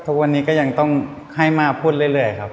ทุกวันนี้ก็ยังต้องให้มากพูดเรื่อยครับ